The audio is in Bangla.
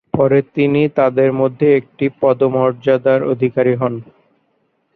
পরে তিনি তাদের মধ্যে একটি পদমর্যাদার অধিকারী হন।